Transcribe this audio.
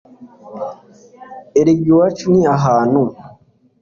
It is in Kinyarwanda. erega iwacu ni ahantu